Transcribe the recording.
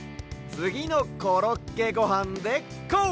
つぎの「コロッケごはん」でこう！